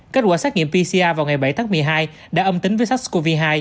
kết quả xét nghiệm pcr vào ngày bảy tháng một mươi hai đã âm tính với sars cov hai